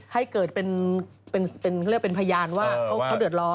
ให้เกิดเป็นพยานว่าเขาเดือดร้อน